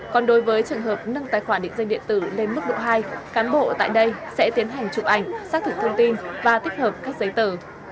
còn đối với trường hợp nâng tài khoản định danh điện tử lên mức độ hai cán bộ tại đây sẽ tiến hành chụp ảnh xác thực thông tin và tích hợp các giấy tờ